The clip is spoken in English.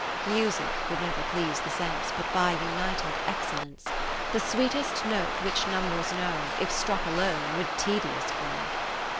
IV iMusic could never please the sense But by united excellence : The sweetest note which numbers know, If struck alone, would tedious grow.